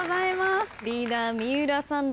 リーダー三浦さん